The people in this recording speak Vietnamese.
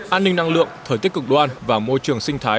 an ninh năng lượng thời tiết cực đoan và môi trường sinh thái